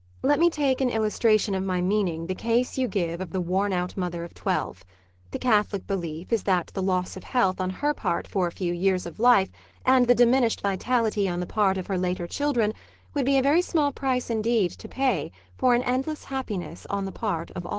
Let me take in illustration of my meaning the case you give of the worn out mother of twelve. The Catholic belief is that the loss of health on her part for a few years of life and the diminished vitality on the part of her later children would be a very small price indeed to pay for an endless happiness on the part of all.